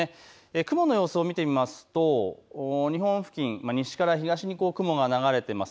雲の様子を見てみますと日本付近、西から東に雲が流れています。